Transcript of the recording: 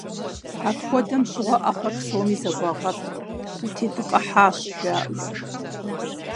Апхуэдэм щыгъуэ Ӏэхъуэр псоми зэгуагъэпырт: «Утедыкъыхьащ», - жаӀэурэ.